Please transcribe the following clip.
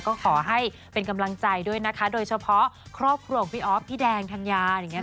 ก็ขอให้เป็นกำลังใจด้วยนะคะโดยเฉพาะครอบครัวของพี่อฟพี่แดงทางนี้นะคะ